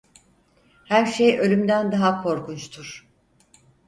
Her şey ölümden daha korkunçtur.